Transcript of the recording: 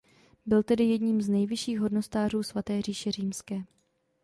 Byl tedy jedním z nejvyšších hodnostářů Svaté říše římské.